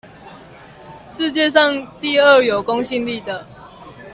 世界上第二有公信力的